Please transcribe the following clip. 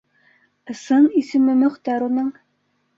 Ысын исеме Мөхтәр уның.